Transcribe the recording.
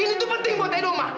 ini tuh penting buat edo ma